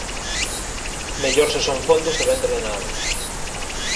Mellor se son fondos e ben drenados.